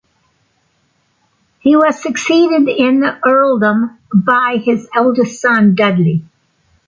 He was succeeded in the earldom by his eldest son, Dudley.